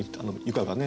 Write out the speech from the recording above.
床がね